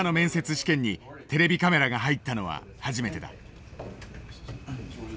試験にテレビカメラが入ったのは初めてだ。